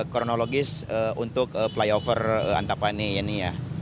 kronologis untuk flyover antapani ini ya